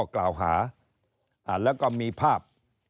คลิป